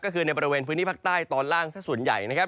ก็คือในบริเวณพื้นที่ภาคใต้ตอนล่างสักส่วนใหญ่นะครับ